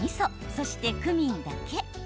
そしてクミンだけ。